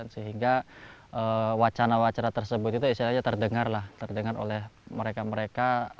sehingga wacana wacana tersebut terdengar oleh mereka mereka